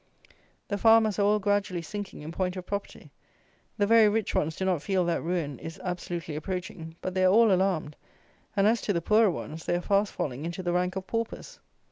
The farmers are all gradually sinking in point of property. The very rich ones do not feel that ruin is absolutely approaching; but they are all alarmed; and as to the poorer ones, they are fast falling into the rank of paupers.